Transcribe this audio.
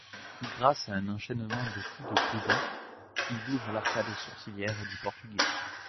Grâce à un enchaînement de coups de coude, il ouvre l'arcade sourcilière du Portugais.